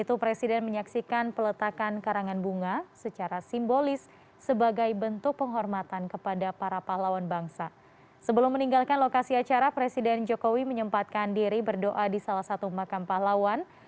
upacara hari pahlawan